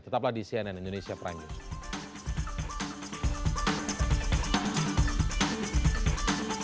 tetaplah di cnn indonesia prime news